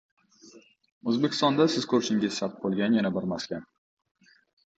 O‘zbekistonda siz ko‘rishingiz shart bo‘lgan yana bir maskan